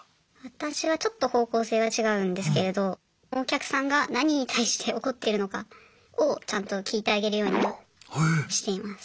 私はちょっと方向性が違うんですけれどお客さんが何に対して怒ってるのかをちゃんと聞いてあげるようにはしています。